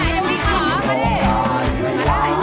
ได้